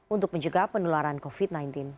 untuk menjaga penularan covid sembilan belas